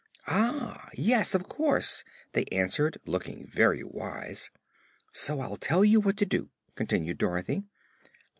"Ah, yes; of course," they answered, looking very wise. "So I'll tell you what to do," continued Dorothy.